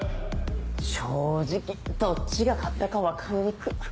正直どっちが勝ったか分かりにく。